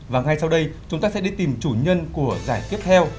và ngay sau đây chúng ta sẽ đi tìm chủ nhân của giải tiếp theo